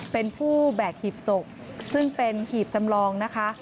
เป็นผู้แบกหีบศพซึ่งเป็นหีบจำลองนะคะ